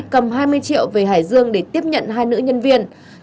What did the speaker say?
cầm hai mươi triệu về hải dương để tiếp nhận hai nữ nhân viên